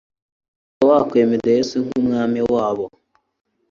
kuva bakwemera Yesu nk'Umwami wabo,